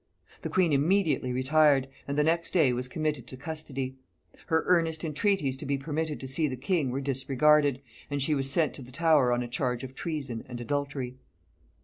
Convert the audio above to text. The queen immediately retired, and the next day was committed to custody. Her earnest entreaties to be permitted to see the king were disregarded, and she was sent to the Tower on a charge of treason and adultery.